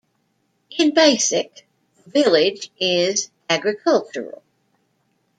In basic, the village is agricultural.